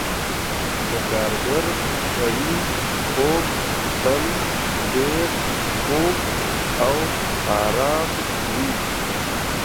د کارګر سړي خوب تل ډېر خوږ او آرام وي.